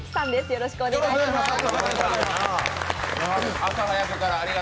よろしくお願いします。